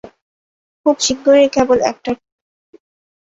খুব শিগগিরই কেবল একটা টিকে থাকবে।